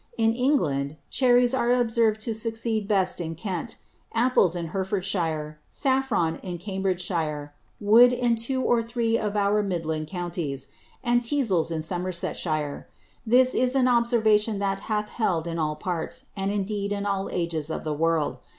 In England, Cherries are observ'd to succeed best in Kent; Apples in Herefordshire; Saffron in Cambridgeshire; Wood in two or three of our Midland Counties; and Teazles in Somersetshire. This is an Observation that hath held in all Parts, and indeed in all Ages of the World.